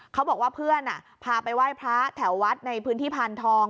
เขาบอกว่าเพื่อนพาไปไหว้พระแถววัดในพื้นที่พานทอง